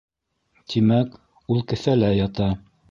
Тимәк, ул кеҫәлә ята.